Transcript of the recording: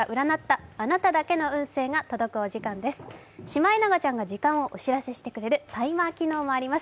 シマエナガちゃんが時間を教えてくれるタイマー機能もあります。